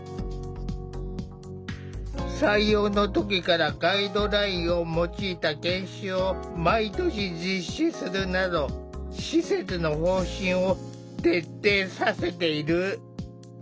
採用の時からガイドラインを用いた研修を毎年実施するなど施設の方針を徹底させている。